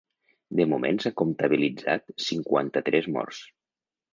De moment s’han comptabilitzat cinquanta-tres morts.